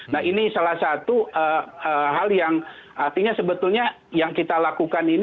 nah ini salah satu hal yang artinya sebetulnya yang kita lakukan ini